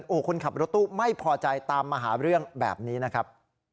โอ้โหคนขับรถตู้ไม่พอใจตามมาหาเรื่องแบบนี้นะครับ